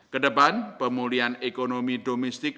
kedepan pemulihan ekonomi domestik